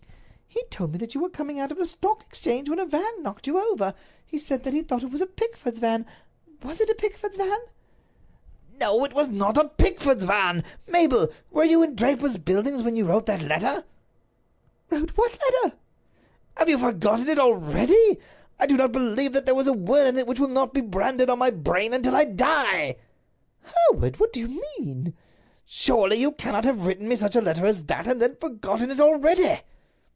"He told me that you were coming out of the Stock Exchange when a van knocked you over. He said that he thought it was a Pickford's van—was it a Pickford's van?" "No, it was not a Pickford's van. Mabel, were you in Draper's Buildings when you wrote that letter?" "Wrote what letter?" "Have you forgotten it already? I do not believe that there is a word in it which will not be branded on my brain until I die." "Hereward! What do you mean?" "Surely you cannot have written me such a letter as that, and then have forgotten it already?"